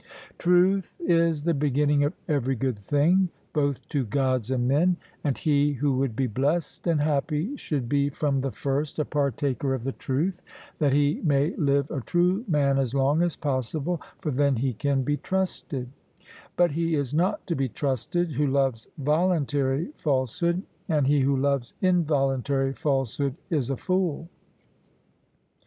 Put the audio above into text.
Truth is the beginning of every good thing, both to Gods and men; and he who would be blessed and happy, should be from the first a partaker of the truth, that he may live a true man as long as possible, for then he can be trusted; but he is not to be trusted who loves voluntary falsehood, and he who loves involuntary falsehood is a fool.